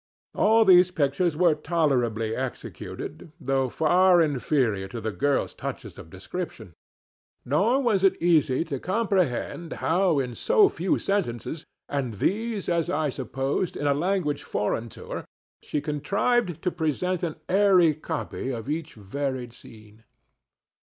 All these pictures were tolerably executed, though far inferior to the girl's touches of description; nor was it easy to comprehend how in so few sentences, and these, as I supposed, in a language foreign to her, she contrived to present an airy copy of each varied scene.